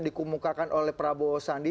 dikumukakan oleh prabowo sandi